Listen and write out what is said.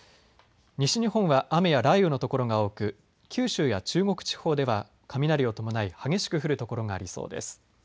西日本は雨や雷雨の所が多く九州や中国地方では雷を伴い激しく降る所がありそうです。